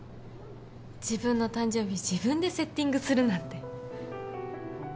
自分の誕生日自分でセッティングするなんて。